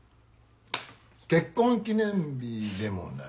結婚記念日でもない。